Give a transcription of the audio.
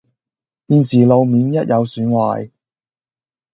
現時路面一有損壞